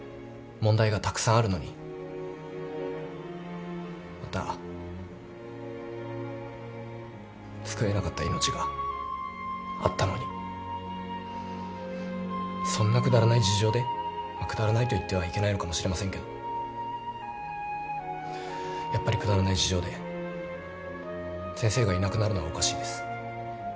問題がたくさんあるのにまた救えなかった命があったのにそんなくだらない事情でくだらないと言ってはいけないのかもしれませんけどやっぱりくだらない事情で先生がいなくなるのはおかしいです。